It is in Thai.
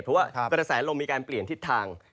เพราะว่ากระแสลมมีการเปลี่ยนทิศทาง